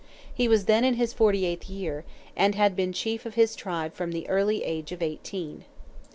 He was then in his forty eighth year, and had been chief of his tribe from the early age of eighteen.